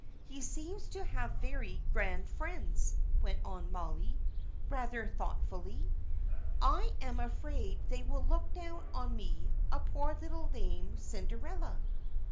He seems to have very grand friends," went on Molly, rather thoughtfully. "I am afraid they will look down on me, a poor little lame Cinderella."